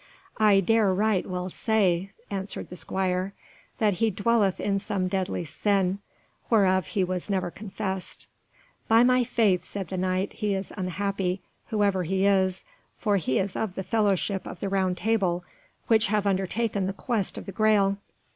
"I dare right well say," answered the squire, "that he dwelleth in some deadly sin, whereof he was never confessed." "By my faith," said the Knight, "he is unhappy, whoever he is, for he is of the fellowship of the Round Table, which have undertaken the quest of the Graal."